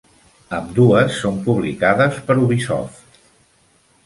Ambdues són publicades per Ubisoft.